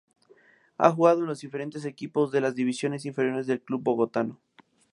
Ha jugado en los diferentes equipos de las divisiones inferiores del club bogotano.